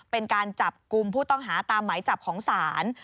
เป็นการจับกลุ่มผู้ต้องหาตามหมายจับของศาล